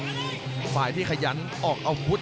กำปั้นขวาสายวัดระยะไปเรื่อย